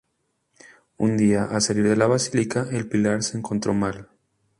Un día, al salir de la Basílica de El Pilar se encontró mal.